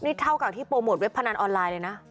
นี่เท่ากับที่โปรโมทเว็บพนันออนไลน์เลยนะ